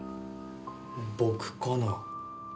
僕かな？